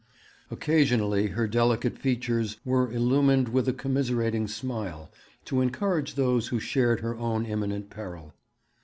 Occasionally her delicate features were illumined with a commiserating smile to encourage those who shared her own imminent peril.